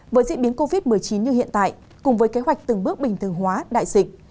với diễn biến covid một mươi chín như hiện tại cùng với kế hoạch từng bước bình thường hóa đại dịch